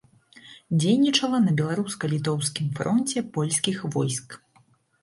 Дзейнічала на беларуска-літоўскім фронце польскіх войск.